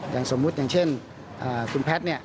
อย่างสมมุติอย่างเช่นคุณแพทย์เนี่ย